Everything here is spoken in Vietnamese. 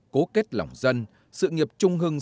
cố kết lòng dân sự nghiệp trung hưng